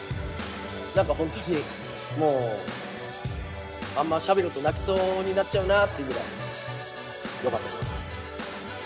なんか本当にもうあんましゃべるとなきそうになっちゃうなっていうぐらいよかったです。